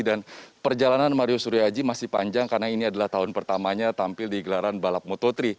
dan perjalanan mario suryo aji masih panjang karena ini adalah tahun pertamanya tampil di gelaran balap moto tiga